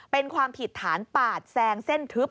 เป็นความผิดฐานปาดแซงเส้นทึบ